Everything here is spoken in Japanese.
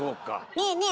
ねえねえ